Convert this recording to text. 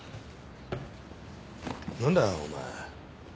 何だお前。